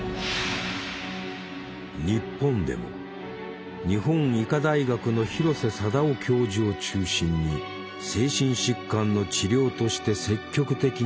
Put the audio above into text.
日本でも日本医科大学の広瀬貞雄教授を中心に精神疾患の治療として積極的に取り入れられた。